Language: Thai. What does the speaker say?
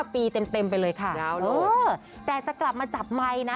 ปีเต็มไปเลยค่ะแต่จะกลับมาจับไมค์นะ